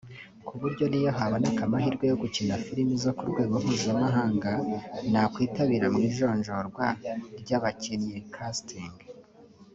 kuburyo n’iyo haboneka amahirwe yo gukina filime zo ku rwego mpuzamahanga nakwitabira mu ijonjorwa ry’abakinnyi(Casting)